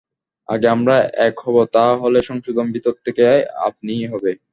আগে আমরা এক হব তা হলেই সংশোধন ভিতর থেকে আপনিই হবে।